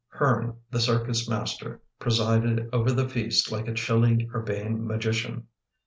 Hearn, the circus master, presided over the feast like a chilly urbane magician.